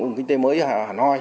khu kinh tế mới hà nội